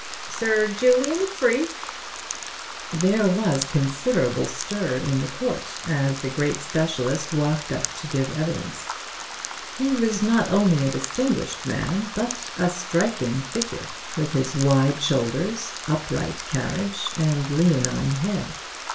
"Sir Julian Freke." There was considerable stir in the court as the great specialist walked up to give evidence. He was not only a distinguished man, but a striking figure, with his wide shoulders, upright carriage and leonine head.